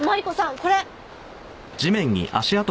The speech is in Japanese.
これ！